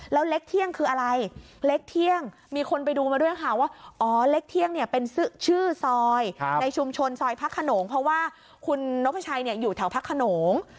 แล้วเล็กเที่ยงคืออะไรเล็กเที่ยงมีคนไปดูมาด้วยค่ะว่าอ๋อเล็กเที่ยงเนี่ยเป็นชื่อซอยในชุมชนซอยพระขนงเพราะว่าคุณนพชัยอยู่แถวพระขนง